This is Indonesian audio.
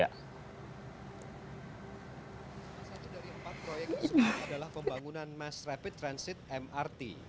satu dari empat proyek yang sedang berlaku adalah pembangunan mass rapid transit mrt